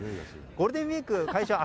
ゴールデンウィーク開始は